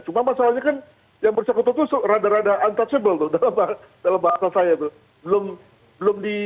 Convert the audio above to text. cuma masalahnya kan yang bercakap cakap itu rada rada untouchable tuh dalam bahasa saya tuh